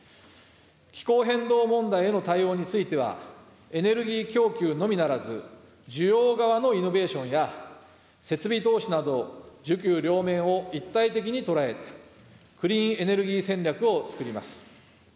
気候変動問題への対応については、エネルギー供給のみならず、需要側のイノベーションや、設備投資など、需給両面を一体的に捉えて、クリーンエネルギー戦略をつくります。